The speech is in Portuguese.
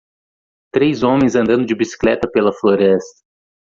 Três homens andando de bicicleta pela floresta.